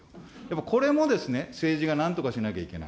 これも政治がなんとかしなきゃいけない。